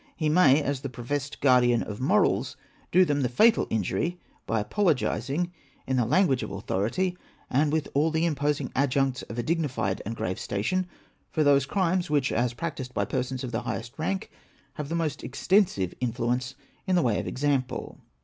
He may, as the professed guardian of morals, do them the fatal injury, by apologising, in the language of au thority, and with all the imposing adjuncts of a dignified and grave station, for those crimes, which, as practised by persons of the highest rank, have the most extensive influence in the way of example.